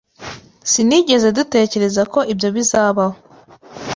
Sinigeze dutekereza ko ibyo bizabaho.